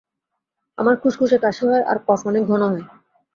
আমার খুশখুশে কাশি হয় আর কফ অনেক ঘন হয়।